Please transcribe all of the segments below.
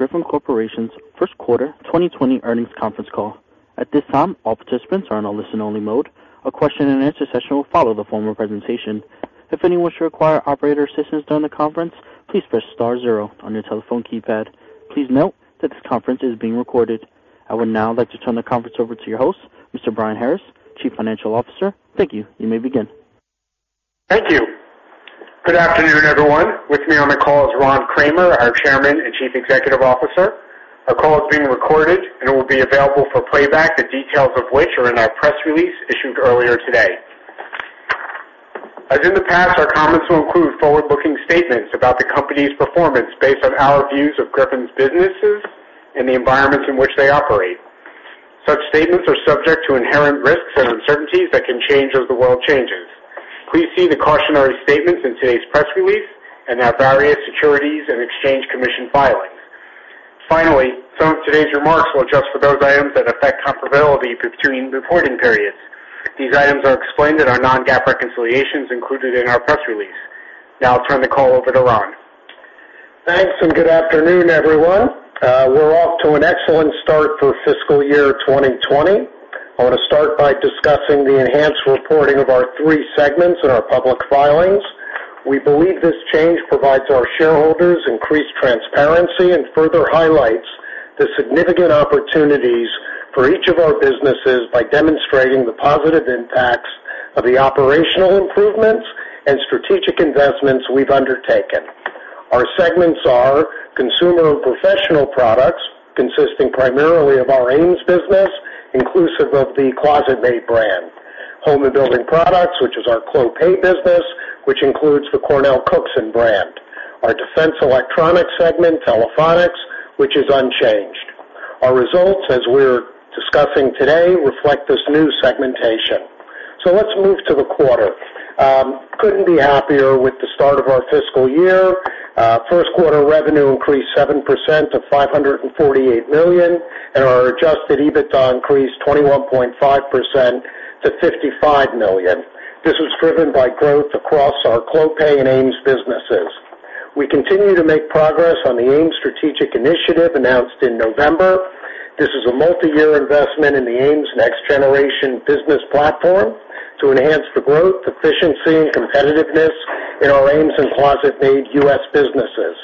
Welcome to Griffon Corporation's first quarter 2020 earnings conference call. At This time, all participants are in a listen-only mode. A question and answer session will follow the formal presentation. If anyone should require operator assistance during the conference, please press star zero on your telephone keypad. Please note that this conference is being recorded. I would now like to turn the conference over to your host, Mr. Brian Harris, Chief Financial Officer. Thank you. You may begin. Thank you. Good afternoon, everyone. With me on the call is Ron Kramer, our Chairman and Chief Executive Officer. Our call is being recorded and will be available for playback, the details of which are in our press release issued earlier today. As in the past, our comments will include forward-looking statements about the company's performance based on our views of Griffon's businesses and the environments in which they operate. Such statements are subject to inherent risks and uncertainties that can change as the world changes. Please see the cautionary statements in today's press release and our various Securities and Exchange Commission filings. Finally, some of today's remarks will adjust for those items that affect comparability between reporting periods. These items are explained in our non-GAAP reconciliations included in our press release. I'll turn the call over to Ron. Thanks, good afternoon, everyone. We're off to an excellent start for fiscal year 2020. I want to start by discussing the enhanced reporting of our three segments in our public filings. We believe this change provides our shareholders increased transparency and further highlights the significant opportunities for each of our businesses by demonstrating the positive impacts of the operational improvements and strategic investments we've undertaken. Our segments are Consumer and Professional Products, consisting primarily of our AMES business, inclusive of the ClosetMaid brand. Home and Building Products, which is our Clopay business, which includes the CornellCookson brand. Our Defense Electronics segment, Telephonics, which is unchanged. Our results, as we're discussing today, reflect this new segmentation. Let's move to the quarter. Couldn't be happier with the start of our fiscal year. First quarter revenue increased 7% to $548 million, and our adjusted EBITDA increased 21.5% to $55 million. This was driven by growth across our Clopay and AMES businesses. We continue to make progress on the AMES strategic initiative announced in November. This is a multi-year investment in the AMES next generation business platform to enhance the growth, efficiency, and competitiveness in our AMES and ClosetMaid U.S. businesses.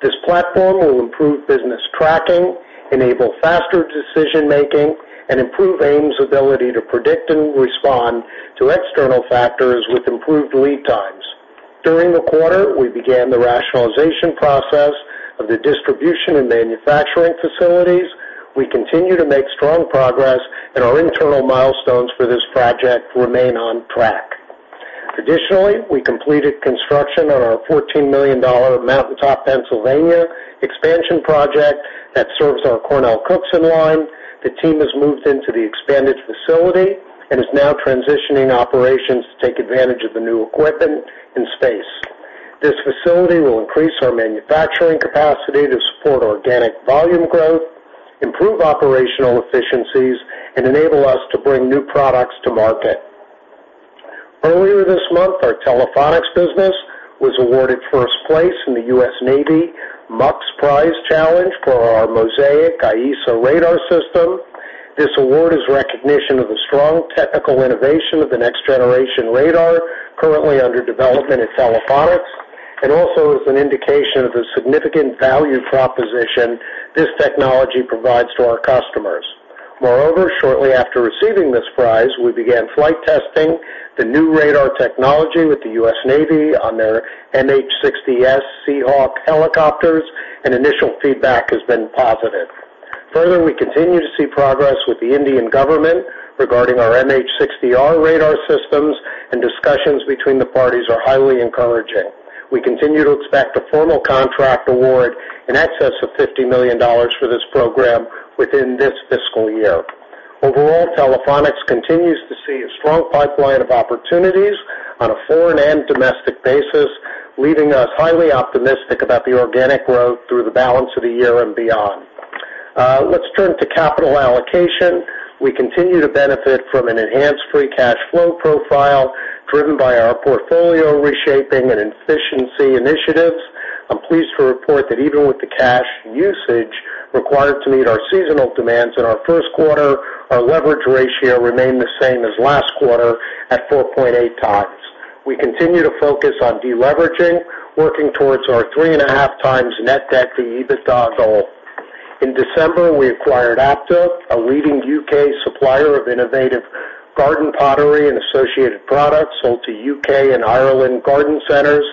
This platform will improve business tracking, enable faster decision-making, and improve AMES' ability to predict and respond to external factors with improved lead times. During the quarter, we began the rationalization process of the distribution and manufacturing facilities. We continue to make strong progress, and our internal milestones for this project remain on track. Additionally, we completed construction on our $14 million mountaintop Pennsylvania expansion project that serves our CornellCookson line. The team has moved into the expanded facility and is now transitioning operations to take advantage of the new equipment and space. This facility will increase our manufacturing capacity to support organic volume growth, improve operational efficiencies, and enable us to bring new products to market. Earlier this month, our Telephonics business was awarded first place in the U.S. Navy MUX Prize Challenge for our MOSAIC AESA radar system. This award is recognition of the strong technical innovation of the next generation radar currently under development at Telephonics and also is an indication of the significant value proposition this technology provides to our customers. Moreover, shortly after receiving this prize, we began flight testing the new radar technology with the U.S. Navy on their MH-60S Seahawk helicopters, and initial feedback has been positive. Further, we continue to see progress with the Indian government regarding our MH-60R radar systems, and discussions between the parties are highly encouraging. We continue to expect a formal contract award in excess of $50 million for this program within this fiscal year. Overall, Telephonics continues to see a strong pipeline of opportunities on a foreign and domestic basis, leaving us highly optimistic about the organic growth through the balance of the year and beyond. Let's turn to capital allocation. We continue to benefit from an enhanced free cash flow profile driven by our portfolio reshaping and efficiency initiatives. I'm pleased to report that even with the cash usage required to meet our seasonal demands in our first quarter, our leverage ratio remained the same as last quarter at 4.8x. We continue to focus on deleveraging, working towards our 3.5x net debt to EBITDA goal. In December, we acquired Apta, a leading U.K. supplier of innovative garden pottery and associated products sold to U.K. and Ireland garden centers.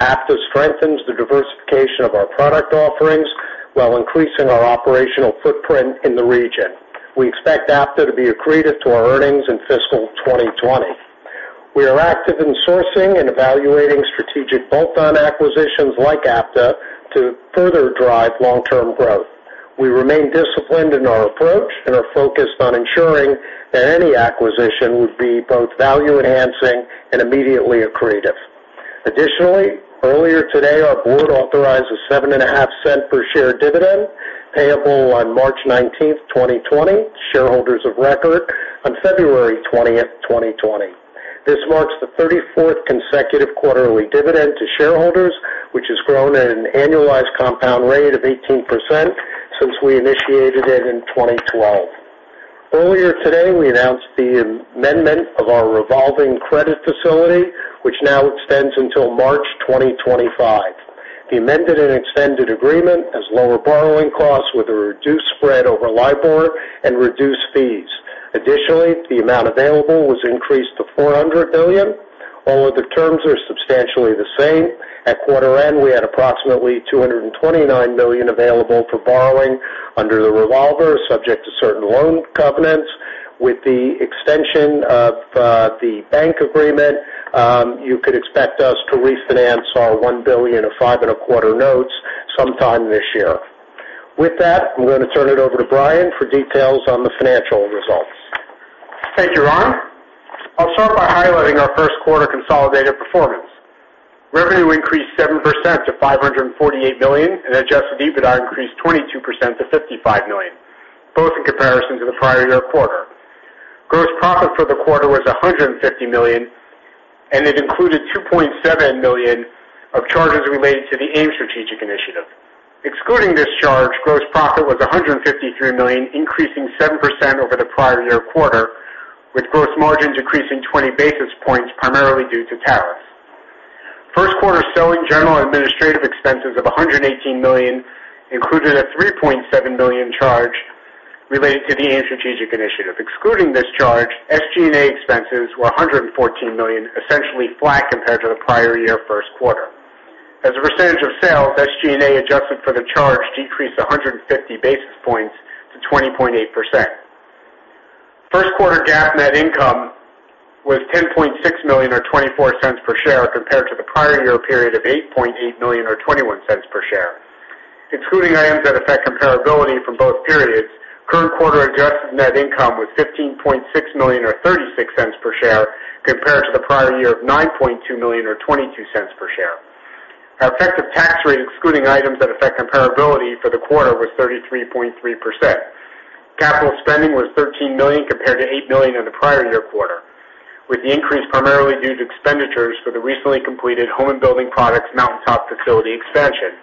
Apta strengthens the diversification of our product offerings while increasing our operational footprint in the region. We expect Apta to be accretive to our earnings in fiscal 2020. We are active in sourcing and evaluating strategic bolt-on acquisitions like Apta to further drive long-term growth. We remain disciplined in our approach and are focused on ensuring that any acquisition would be both value-enhancing and immediately accretive. Additionally, earlier today, our board authorized a $0.075 per share dividend payable on March 19th, 2020, shareholders of record on February 20th, 2020. This marks the 34th consecutive quarterly dividend to shareholders, which has grown at an annualized compound rate of 18% since we initiated it in 2012. Earlier today, we announced the amendment of our revolving credit facility, which now extends until March 2025. The amended and extended agreement has lower borrowing costs with a reduced spread over LIBOR and reduced fees. The amount available was increased to $400 million. All other terms are substantially the same. At quarter end, we had approximately $229 million available for borrowing under the revolver, subject to certain loan covenants. With the extension of the bank agreement, you could expect us to refinance our $1 billion of five-and-a-quarter notes sometime this year. With that, I'm going to turn it over to Brian for details on the financial results. Thank you, Ron. I'll start by highlighting our first quarter consolidated performance. Revenue increased 7% to $548 million, and adjusted EBITDA increased 22% to $55 million, both in comparison to the prior year quarter. Gross profit for the quarter was $150 million, and it included $2.7 million of charges related to the AMES Strategic Initiative. Excluding this charge, gross profit was $153 million, increasing 7% over the prior year quarter, with gross margins decreasing 20 basis points, primarily due to tariffs. First quarter selling, general, and administrative expenses of $118 million included a $3.7 million charge related to the AMES Strategic Initiative. Excluding this charge, SG&A expenses were $114 million, essentially flat compared to the prior year first quarter. As a percentage of sales, SG&A, adjusted for the charge, decreased 150 basis points to 20.8%. First quarter GAAP net income was $10.6 million, or $0.24 per share, compared to the prior year period of $8.8 million, or $0.21 per share. Excluding items that affect comparability from both periods, current quarter adjusted net income was $15.6 million or $0.36 per share compared to the prior year of $9.2 million or $0.22 per share. Our effective tax rate, excluding items that affect comparability for the quarter, was 33.3%. Capital spending was $13 million compared to $8 million in the prior year quarter, with the increase primarily due to expenditures for the recently completed Home and Building Products mountaintop facility expansion.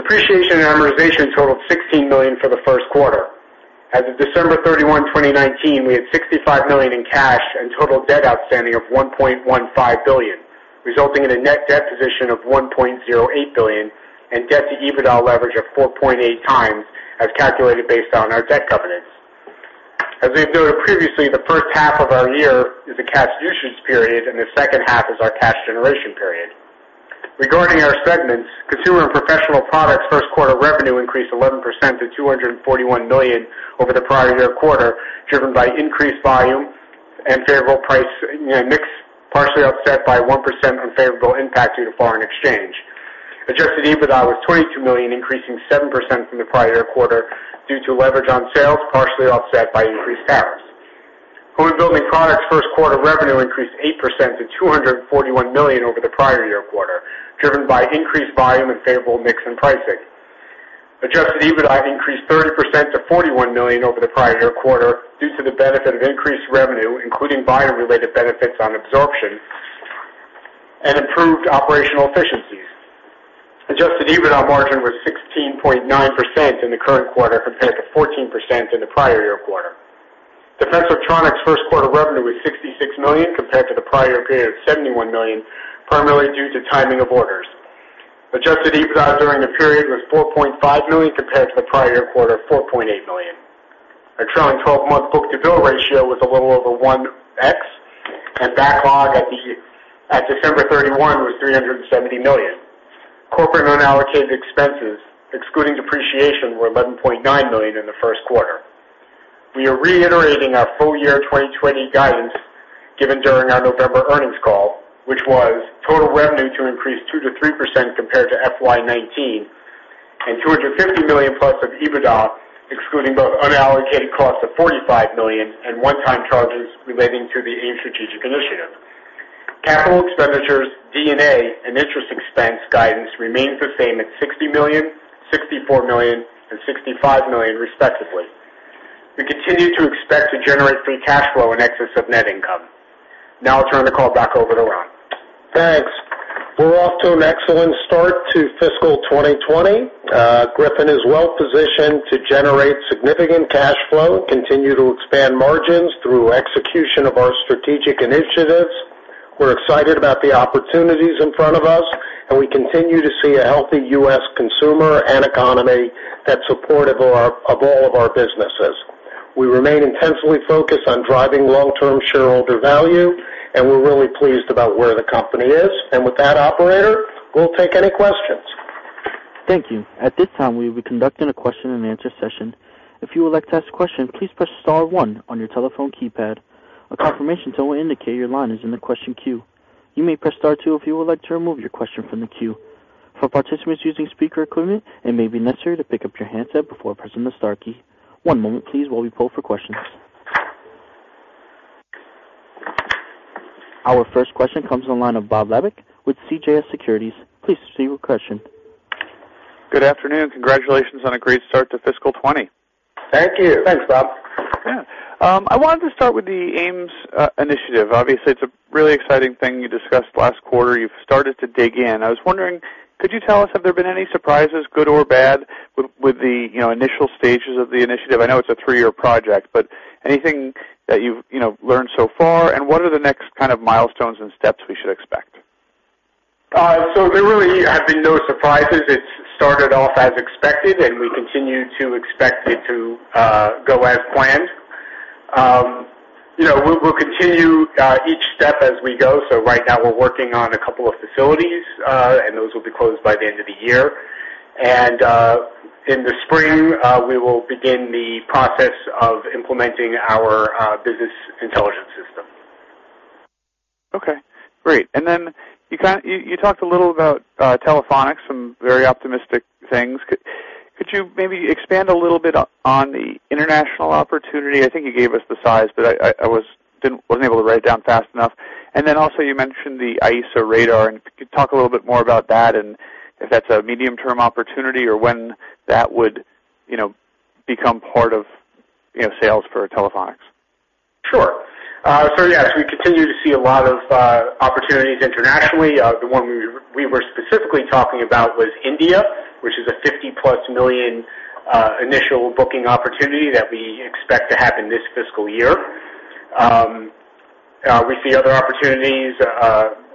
Depreciation and amortization totaled $16 million for the first quarter. As of December 31, 2019, we had $65 million in cash and total debt outstanding of $1.15 billion, resulting in a net debt position of $1.08 billion and debt-to-EBITDA leverage of 4.8x, as calculated based on our debt covenants. As we've noted previously, the first half of our year is a cash usage period, and the second half is our cash generation period. Regarding our segments, Consumer and Professional Products' first quarter revenue increased 11% to $241 million over the prior year quarter, driven by increased volume and favorable price mix, partially offset by 1% unfavorable impact due to foreign exchange. Adjusted EBITDA was $22 million, increasing 7% from the prior year quarter due to leverage on sales, partially offset by increased tariffs. Home and Building Products' first quarter revenue increased 8% to $241 million over the prior year quarter, driven by increased volume and favorable mix in pricing. Adjusted EBITDA increased 30% to $41 million over the prior year quarter due to the benefit of increased revenue, including volume-related benefits on absorption and improved operational efficiencies. Adjusted EBITDA margin was 16.9% in the current quarter compared to 14% in the prior year quarter. Defense Electronics' first quarter revenue was $66 million compared to the prior year period of $71 million, primarily due to timing of orders. Adjusted EBITDA during the period was $4.5 million compared to the prior year quarter, $4.8 million. Our trailing 12-month book-to-bill ratio was a little over 1x, and backlog at December 31 was $370 million. Corporate unallocated expenses, excluding depreciation, were $11.9 million in the first quarter. We are reiterating our full year 2020 guidance given during our November earnings call, which was total revenue to increase 2% to 3% compared to FY 2019 and $250 million-plus of EBITDA, excluding both unallocated costs of $45 million and one-time charges relating to the AMES strategic initiative. Capital expenditures, D&A, and interest expense guidance remains the same at $60 million, $64 million, and $65 million respectively. We continue to expect to generate free cash flow in excess of net income. Now I'll turn the call back over to Ron. Thanks. We're off to an excellent start to fiscal 2020. Griffon is well positioned to generate significant cash flow, continue to expand margins through execution of our strategic initiatives. We're excited about the opportunities in front of us. We continue to see a healthy U.S. consumer and economy that's supportive of all of our businesses. We remain intensely focused on driving long-term shareholder value. We're really pleased about where the company is. With that, operator, we'll take any questions. Thank you. At this time, we will be conducting a question-and-answer session. If you would like to ask a question, please press star one on your telephone keypad. A confirmation tone will indicate your line is in the question queue. You may press start two if you would like to remove your question from the queue. For participants using speaker equipment, it may be necessary to pick up your handset before pressing the star key. One moment please while we poll for questions. Our first question comes on the line of Bob Labick with CJS Securities. Please proceed with your question. Good afternoon. Congratulations on a great start to fiscal 2020. Thank you. Thanks, Bob. I wanted to start with the AMES initiative. Obviously, it's a really exciting thing you discussed last quarter. You've started to dig in. I was wondering, could you tell us, have there been any surprises, good or bad, with the initial stages of the initiative? I know it's a three-year project, but anything that you've learned so far, and what are the next kind of milestones and steps we should expect? There really have been no surprises. It's started off as expected, and we continue to expect it to go as planned. We'll continue each step as we go. Right now, we're working on a couple of facilities, and those will be closed by the end of the year. In the spring, we will begin the process of implementing our business intelligence system. Okay, great. Then you talked a little about Telephonics, some very optimistic things. Could you maybe expand a little bit on the international opportunity? I think you gave us the size, but I wasn't able to write it down fast enough. Also you mentioned the AESA radar, and could you talk a little bit more about that and if that's a medium-term opportunity, or when that would become part of sales for Telephonics? Sure. Yes, we continue to see a lot of opportunities internationally. The one we were specifically talking about was India, which is a $50 million-plus initial booking opportunity that we expect to happen this fiscal year. We see other opportunities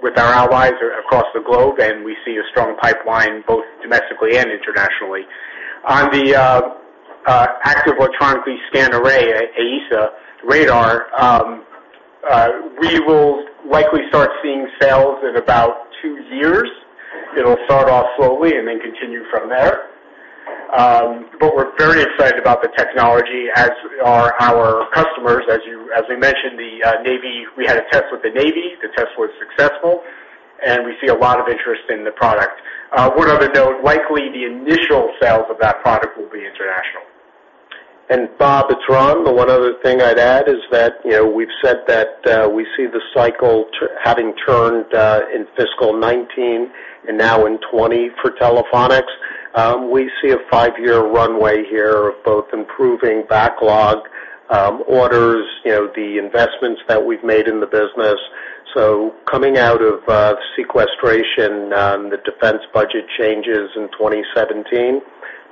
with our allies across the globe, and we see a strong pipeline both domestically and internationally. On the active electronically scanned array, AESA radar, we will likely start seeing sales in about two years. It'll start off slowly and then continue from there. We're very excited about the technology, as are our customers. As we mentioned, we had a test with the U.S. Navy. The test was successful, and we see a lot of interest in the product. One other note, likely the initial sales of that product will be international. Bob, it's Ron. The one other thing I'd add is that we've said that we see the cycle having turned in fiscal 2019 and now in 2020 for Telephonics. We see a five-year runway here of both improving backlog orders, the investments that we've made in the business. Coming out of sequestration, the defense budget changes in 2017,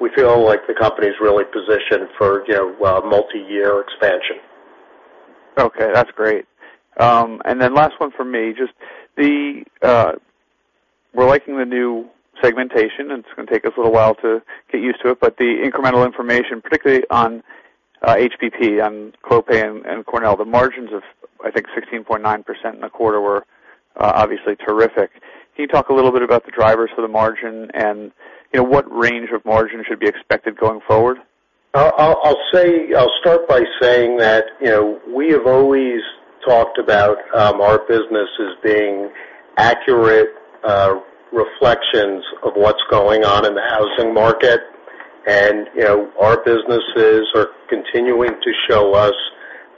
we feel like the company's really positioned for a multi-year expansion. Okay, that's great. Then last one from me, just we're liking the new segmentation, and it's going to take us a little while to get used to it, but the incremental information, particularly on HBP, on Clopay and Cornell, the margins of, I think, 16.9% in the quarter were obviously terrific. Can you talk a little bit about the drivers for the margin and what range of margin should be expected going forward? I'll start by saying that we have always talked about our businesses being accurate reflections of what's going on in the housing market. Our businesses are continuing to show us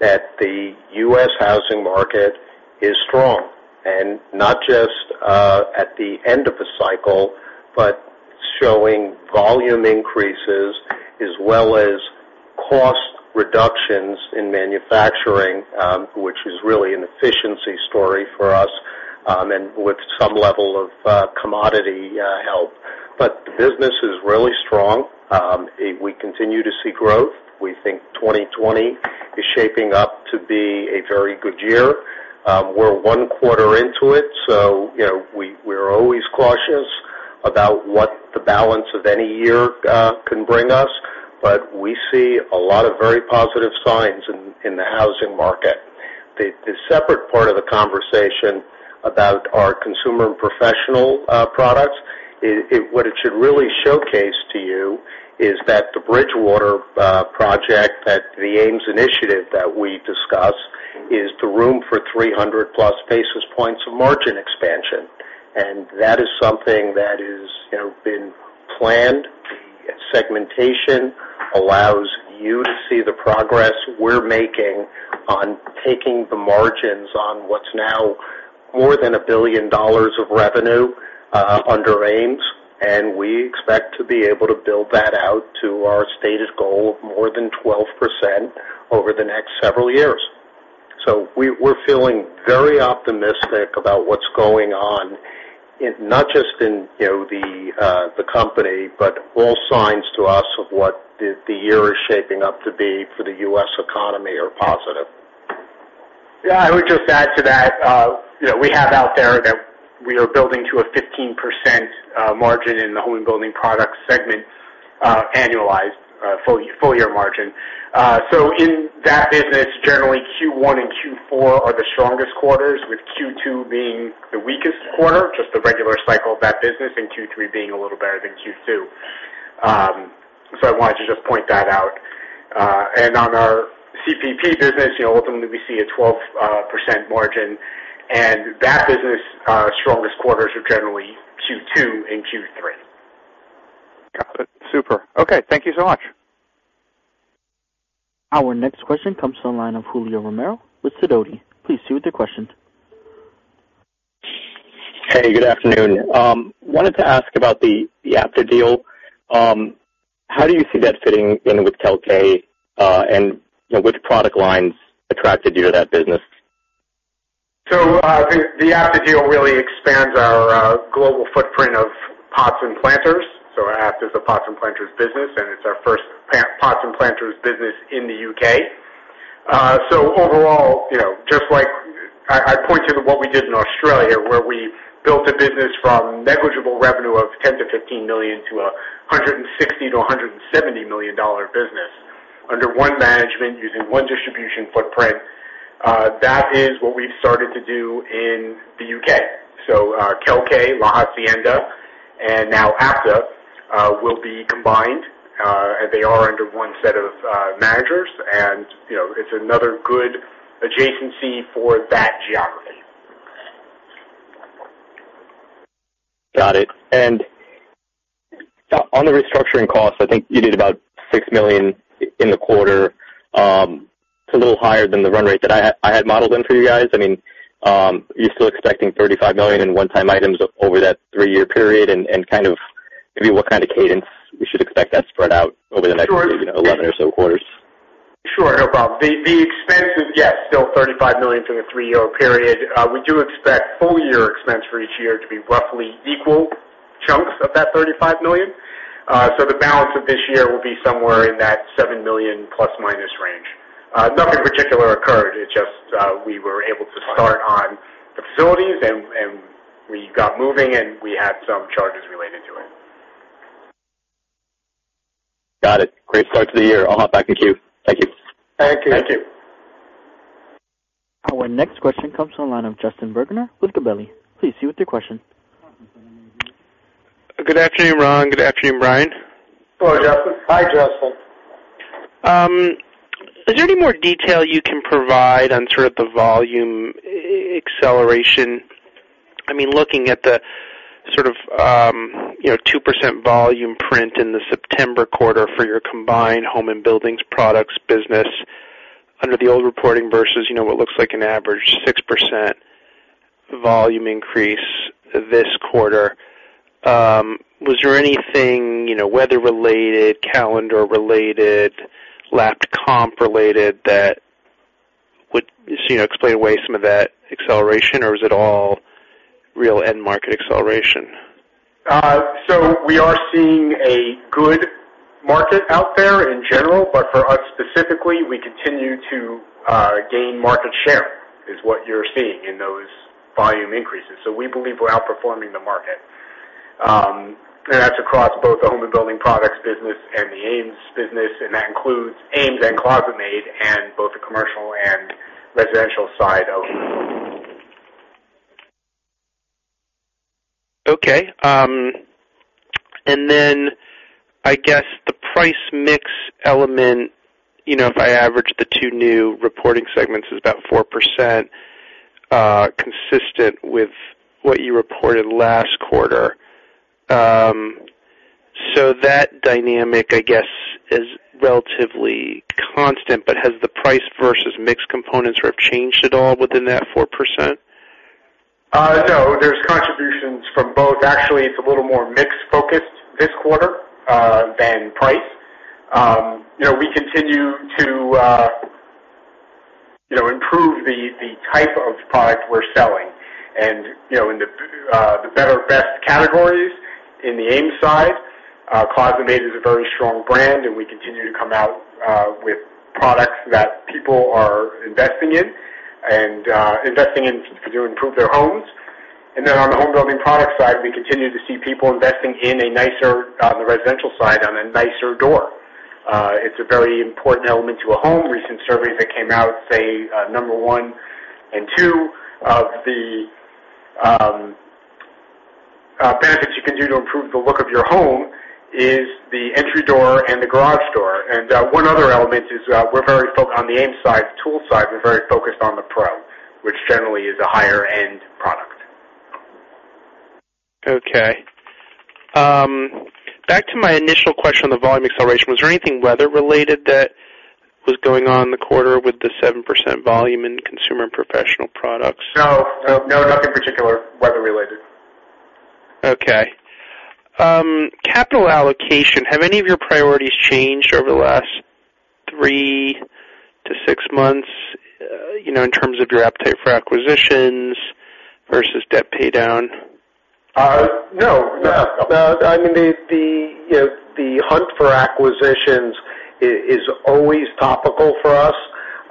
that the U.S. housing market is strong, not just at the end of a cycle, but showing volume increases as well as cost reductions in manufacturing, which is really an efficiency story for us, and with some level of commodity help. The business is really strong. We continue to see growth. We think 2020 is shaping up to be a very good year. We're one quarter into it, so we're always cautious about what the balance of any year can bring us, but we see a lot of very positive signs in the housing market. The separate part of the conversation about our Consumer and Professional Products, what it should really showcase to you is that the Bridgewater project, that the AMES initiative that we discussed, is the room for 300+ basis points of margin expansion. That is something that has been planned. The segmentation allows you to see the progress we're making on taking the margins on what's now more than $1 billion of revenue under AMES, and we expect to be able to build that out to our stated goal of more than 12% over the next several years. We're feeling very optimistic about what's going on, not just in the company, but all signs to us of what the year is shaping up to be for the U.S. economy are positive. I would just add to that, we have out there that we are building to a 15% margin in the Home and Building Products segment, annualized full-year margin. In that business, generally Q1 and Q4 are the strongest quarters, with Q2 being the weakest quarter, just the regular cycle of that business, and Q3 being a little better than Q2. I wanted to just point that out. On our CPP business, ultimately we see a 12% margin, and that business' strongest quarters are generally Q2 and Q3. Got it. Super. Okay, thank you so much. Our next question comes from the line of Julio Romero with Sidoti. Please proceed with your question. Hey, good afternoon. Wanted to ask about the Apta deal. How do you see that fitting in with Kelkay? Which product lines attracted you to that business? The Apta deal really expands our global footprint of pots and planters. Apta is a pots and planters business, and it's our first pots and planters business in the U.K. Overall, just like I pointed to what we did in Australia, where we built a business from negligible revenue of $10 million-$15 million to a $160 million-$170 million business under one management using one distribution footprint. That is what we've started to do in the U.K. Kelkay, La Hacienda, and now Apta will be combined, and they are under one set of managers, and it's another good adjacency for that geography. Got it. On the restructuring cost, I think you did about $6 million in the quarter. It's a little higher than the run rate that I had modeled in for you guys. Are you still expecting $35 million in one-time items over that three-year period? Maybe what kind of cadence we should expect that spread out over the next 11 or so quarters? Sure, no problem. The expense is, yes, still $35 million from a three-year period. We do expect full year expense for each year to be roughly equal chunks of that $35 million. The balance of this year will be somewhere in that $7 million plus minus range. Nothing particular occurred. It's just we were able to start on facilities, and we got moving, and we had some charges related to it. Got it. Great start to the year. I'll hop back in queue. Thank you. Thank you. Our next question comes from the line of Justin Bergner with Gabelli. Please proceed with your question. Good afternoon, Ron. Good afternoon, Brian. Hello, Justin. Hi, Justin. Is there any more detail you can provide on sort of the volume acceleration? Looking at the sort of 2% volume print in the September quarter for your combined home and buildings products business under the old reporting versus what looks like an average 6% volume increase this quarter. Was there anything weather-related, calendar-related, lapsed comp-related that would explain away some of that acceleration? Is it all real end market acceleration? We are seeing a good market out there in general, for us specifically, we continue to gain market share, is what you're seeing in those volume increases. We believe we're outperforming the market. That's across both the home and building products business and the AMES business, that includes AMES and ClosetMaid and both the commercial and residential side of it. Okay. I guess the price mix element, if I average the two new reporting segments, is about 4%, consistent with what you reported last quarter. That dynamic, I guess, is relatively constant, but has the price versus mix components sort of changed at all within that 4%? No, there's contributions from both. It's a little more mix-focused this quarter than price. We continue to improve the type of product we're selling. In the better best categories in the AMES side, ClosetMaid is a very strong brand, and we continue to come out with products that people are investing in to improve their homes. On the Home Building Product side, we continue to see people investing in a nicer, on the residential side, on a nicer door. It's a very important element to a home. Recent surveys that came out say number one and two of the benefits you can do to improve the look of your home is the entry door and the garage door. One other element is on the AMES side, the tool side, we're very focused on the pro, which generally is a higher end product. Okay. Back to my initial question on the volume acceleration. Was there anything weather-related that was going on in the quarter with the 7% volume in Consumer and Professional Products? No. Nothing particular weather-related. Okay. Capital allocation. Have any of your priorities changed over the last three to six months in terms of your appetite for acquisitions versus debt pay down? No. The hunt for acquisitions is always topical for us.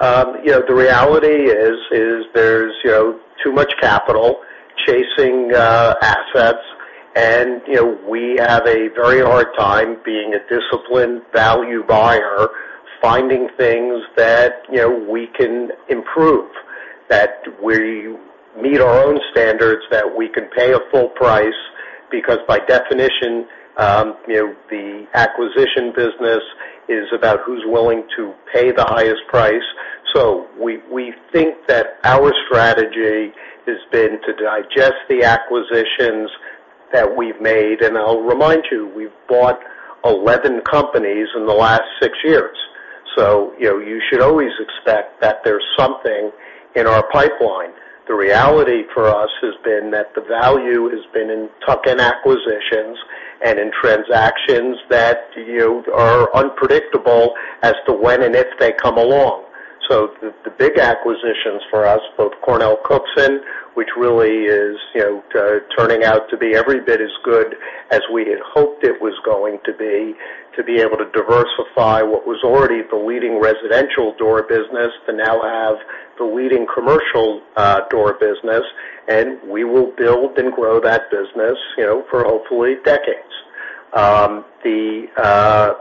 The reality is there's too much capital chasing assets, and we have a very hard time being a disciplined value buyer, finding things that we can improve, that we meet our own standards, that we can pay a full price. Because by definition, the acquisition business is about who's willing to pay the highest price. We think that our strategy has been to digest the acquisitions that we've made, and I'll remind you, we've bought 11 companies in the last six years. You should always expect that there's something in our pipeline. The reality for us has been that the value has been in tuck-in acquisitions and in transactions that are unpredictable as to when and if they come along. The big acquisitions for us, both CornellCookson, which really is turning out to be every bit as good as we had hoped it was going to be, to be able to diversify what was already the leading residential door business, to now have the leading commercial door business. We will build and grow that business for hopefully decades. The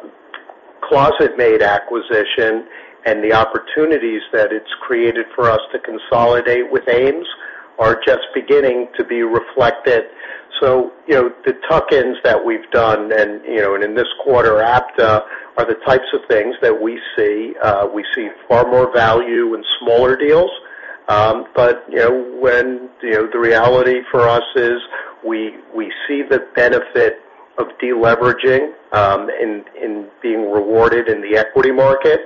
ClosetMaid acquisition and the opportunities that it's created for us to consolidate with AMES are just beginning to be reflected. The tuck-ins that we've done, and in this quarter, Apta, are the types of things that we see. We see far more value in smaller deals. The reality for us is we see the benefit of deleveraging and being rewarded in the equity market.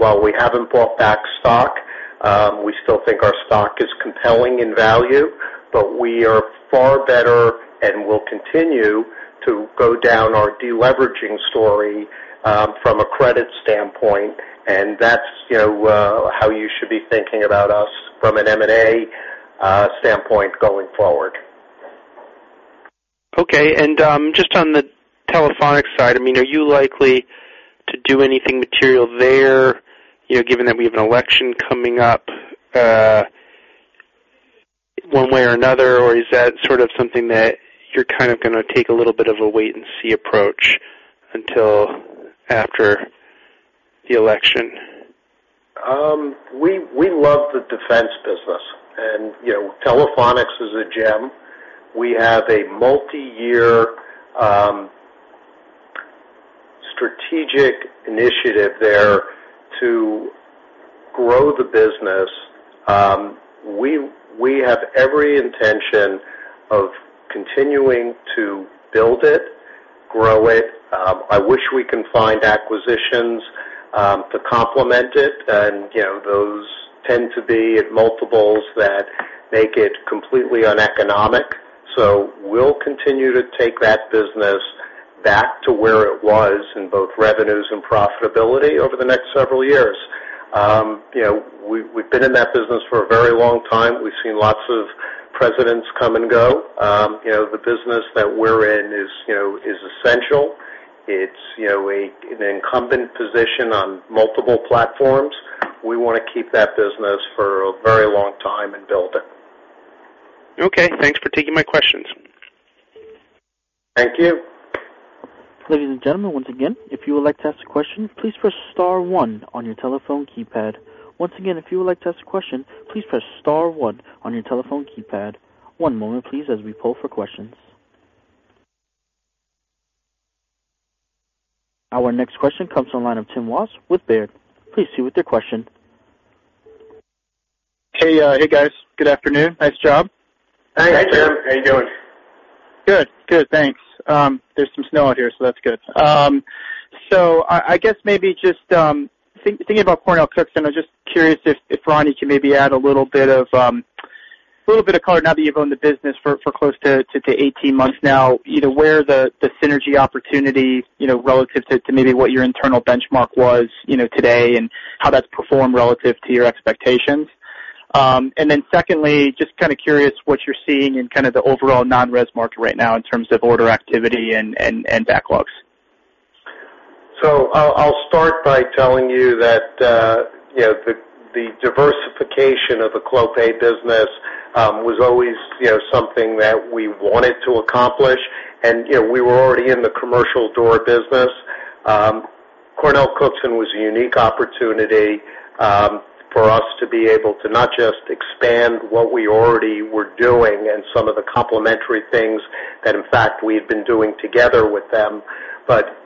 While we haven't bought back stock, we still think our stock is compelling in value, but we are far better and will continue to go down our deleveraging story from a credit standpoint, and that's how you should be thinking about us from an M&A standpoint going forward. Okay. Just on the Telephonics side, are you likely to do anything material there, given that we have an election coming up one way or another, or is that something that you're going to take a little bit of a wait and see approach until after the election? We love the defense business. Telephonics is a gem. We have a multi-year strategic initiative there to grow the business. We have every intention of continuing to build it, grow it. I wish we can find acquisitions to complement it, and those tend to be at multiples that make it completely uneconomic. We'll continue to take that business back to where it was in both revenues and profitability over the next several years. We've been in that business for a very long time. We've seen lots of presidents come and go. The business that we're in is essential. It's an incumbent position on multiple platforms. We want to keep that business for a very long time and build it. Okay, thanks for taking my questions. Thank you. Ladies and gentlemen, once again, if you would like to ask a question, please press star one on your telephone keypad. Once again, if you would like to ask a question, please press star one on your telephone keypad. One moment, please, as we poll for questions. Our next question comes from the line of Tim Wojs with Baird. Please proceed with your question. Hey, guys. Good afternoon. Nice job. Hey, Tim. How you doing? Good, thanks. There's some snow out here, so that's good. I guess maybe just thinking about CornellCookson, I'm just curious if Ronnie can maybe add a little bit of color now that you've owned the business for close to 18 months now, where the synergy opportunity, relative to maybe what your internal benchmark was today and how that's performed relative to your expectations. Then secondly, just kind of curious what you're seeing in kind of the overall non-res market right now in terms of order activity and backlogs. I'll start by telling you that the diversification of the Clopay business was always something that we wanted to accomplish. We were already in the commercial door business. CornellCookson was a unique opportunity for us to be able to not just expand what we already were doing and some of the complementary things that, in fact, we've been doing together with them.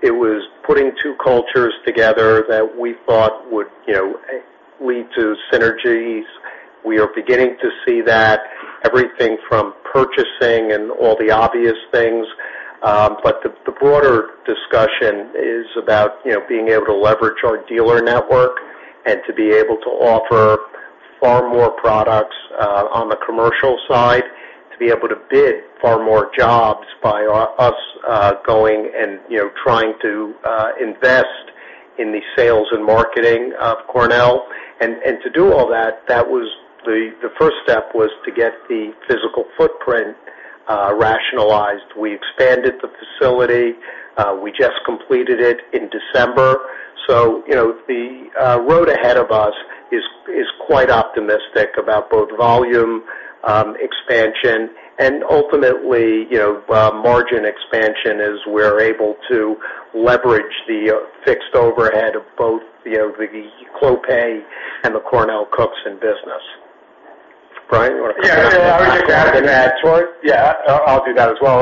It was putting two cultures together that we thought would lead to synergies. We are beginning to see that, everything from purchasing and all the obvious things. The broader discussion is about being able to leverage our dealer network and to be able to offer far more products on the commercial side, to be able to bid far more jobs by us going and trying to invest in the sales and marketing of Cornell. To do all that, the first step was to get the physical footprint rationalized. We expanded the facility. We just completed it in December. The road ahead of us is quite optimistic about both volume expansion and ultimately, margin expansion as we're able to leverage the fixed overhead of both the Clopay and the CornellCookson business. Brian, or? Yeah, I was just going to add to it. Yeah, I'll do that as well.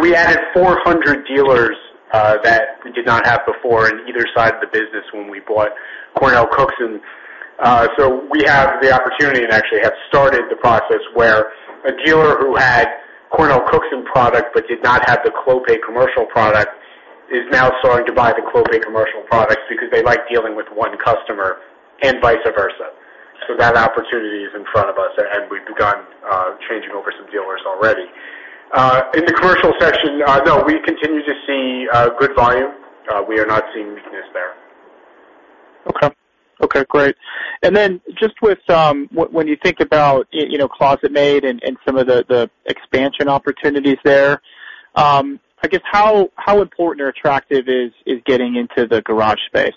We added 400 dealers that we did not have before on either side of the business when we bought CornellCookson. We have the opportunity, and actually have started the process, where a dealer who had CornellCookson product but did not have the Clopay commercial product is now starting to buy the Clopay commercial products because they like dealing with one customer, and vice versa. That opportunity is in front of us, and we've begun changing over some dealers already. In the commercial section, no, we continue to see good volume. We are not seeing weakness there. Okay. Great. Just when you think about ClosetMaid and some of the expansion opportunities there, I guess how important or attractive is getting into the garage space?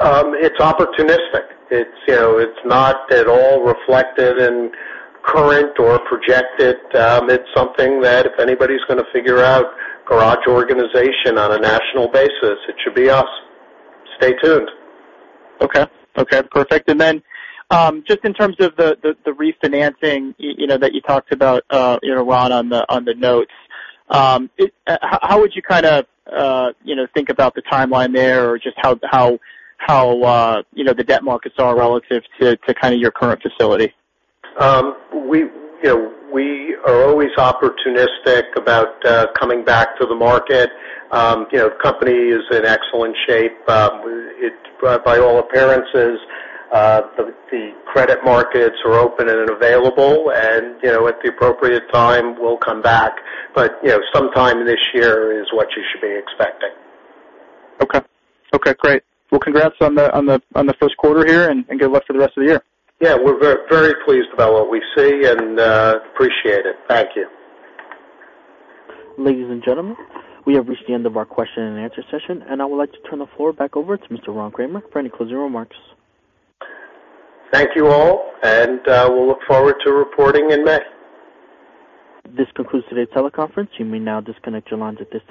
It's opportunistic. It's not at all reflected in current or projected. It's something that if anybody's going to figure out garage organization on a national basis, it should be us. Stay tuned. Okay. Perfect. Just in terms of the refinancing that you talked about, Ron, on the notes. How would you think about the timeline there, or just how the debt markets are relative to your current facility? We are always opportunistic about coming back to the market. The company is in excellent shape. By all appearances, the credit markets are open and available, and at the appropriate time, we'll come back. Sometime this year is what you should be expecting. Okay. Great. Well, congrats on the first quarter here. Good luck for the rest of the year. Yeah, we're very pleased about what we see, and appreciate it. Thank you. Ladies and gentlemen, we have reached the end of our question and answer session, and I would like to turn the floor back over to Mr. Ron Kramer for any closing remarks. Thank you all, and we'll look forward to reporting in May. This concludes today's teleconference. You may now disconnect your lines at this time.